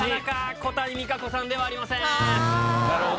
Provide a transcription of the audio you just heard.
小谷実可子さんではありません。